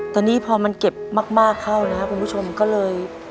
ตอนนี้พอมันเก็บมากเข้านะครับคุณผู้ชมก็เลย